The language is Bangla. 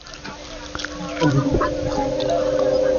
মানুষ ইতিমধ্যে হাতে নাতে এর প্রতিফল পেতে শুরু করেছে।